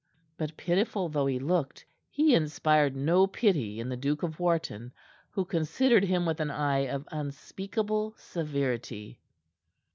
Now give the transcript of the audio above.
But pitiful though he looked, he inspired no pity in the Duke of Wharton, who considered him with an eye of unspeakable severity.